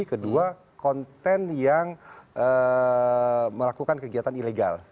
kedua konten yang melakukan kegiatan ilegal